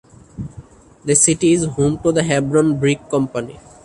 The city is home to the Hebron Brick Company.